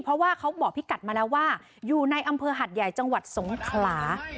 เพราะว่าเขาบอกพี่กัดมาแล้วว่าอยู่ในอำเภอหัดใหญ่จังหวัดสงขลา